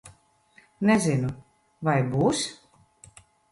Nezinu. Vai būs?